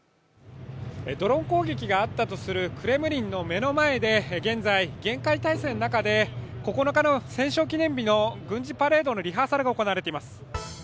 ドローン攻撃があったとされるクレムリンの目の前で現在、厳戒態勢の中で９日の戦勝記念日の軍事パレードのリハーサルが行われています。